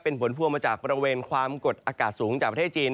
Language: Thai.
เป็นผลพวงมาจากบริเวณความกดอากาศสูงจากประเทศจีน